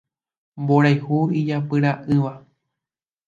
Mborayhu ijapyra'ỹva